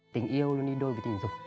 tình yêu luôn đi đôi với tình dục